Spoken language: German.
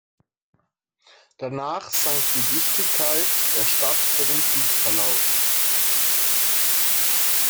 Danach sank die Wichtigkeit der Stadt für den Kriegsverlauf.